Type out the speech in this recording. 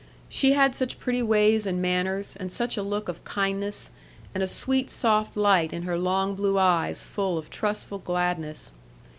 She had such pretty ways and manners, and such a look of kindness, and a sweet soft light in her long blue eyes full of trustful gladness.